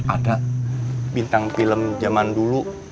ada bintang film zaman dulu